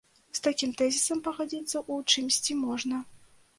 З такім тэзісам пагадзіцца ў чымсьці можна.